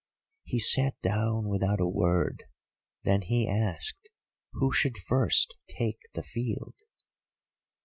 "He sat down without a word, then he asked, who should first take the field.